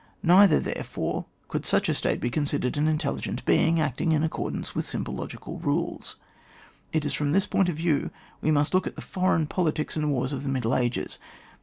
Neither, therefore^ could such a State be considered an intelligent being, acting in accordance with simple logical rules. It is £rom this point of view we must look at the foreign politics and wars of the Middle Ages.